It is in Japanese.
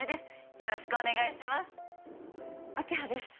よろしくお願いします明葉です